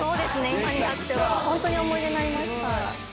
今になってはホントに思い出になりました。